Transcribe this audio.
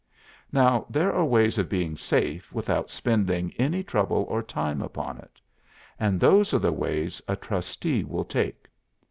Now there are ways of being safe without spending any trouble or time upon it; and those are the ways a trustee will take.